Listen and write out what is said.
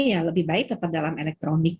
ya lebih baik tetap dalam elektronik